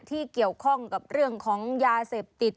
ที่เกี่ยวข้องกับเรื่องของยาเสพติด